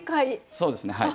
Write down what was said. そうですねはい。